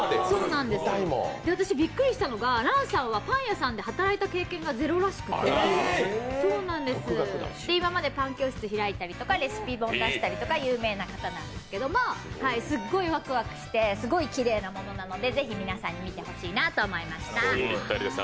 私、びっくりしたのが、Ｒａｎさんはパン屋さんで働いたことがなくて今までパン教室開いたりとかレシピ本出したりとか有名な方なんですけどもすっごいワクワクしてすごいきれいなものなので、ぜひ皆さんに見てほしいなと思いました。